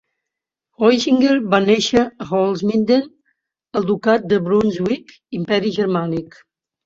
Heusinger va néixer a Holzminden, al Ducat de Brunswick, Imperi Germànic